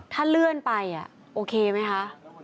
ถ้าเลื่อนไปโอเคไหมคะ